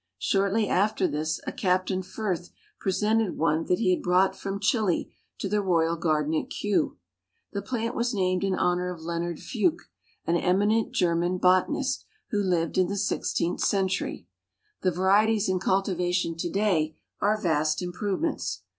Shortly after this a captain Firth presented one that he had brought from Chili to the Royal Garden at Kew. The plant was named in honor of Leonard Fuch, an eminent German Botanist, who lived in the 16th century. The varieties in cultivation to day are vast improvements.